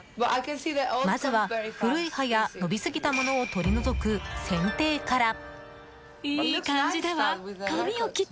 まずは古い葉や伸びすぎたものを取り除く、せん定から。